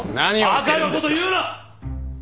バカなこと言うな！